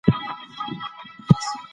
باکتریوفاج په باکتریاوو حمله کوي.